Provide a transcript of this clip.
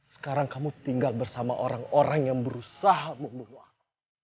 sekarang kamu tinggal bersama orang orang yang berusaha memohon